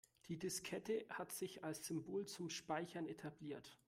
Die Diskette hat sich als Symbol zum Speichern etabliert.